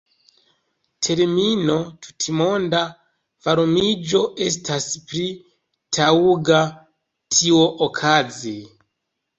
Termino tutmonda varmiĝo estas pli taŭga tiuokaze.